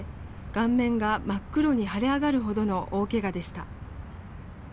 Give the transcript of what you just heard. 顔面が真っ黒に腫れ上がるほどの大けがでした。